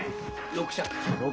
６尺。